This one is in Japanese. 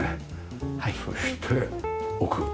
そして奥。